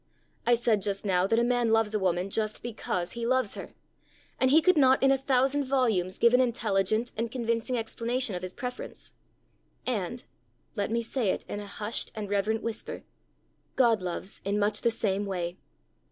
I said just now that a man loves a woman just because he loves her, and he could not in a thousand volumes give an intelligent and convincing explanation of his preference. And let me say it in a hushed and reverent whisper God loves in much the same way.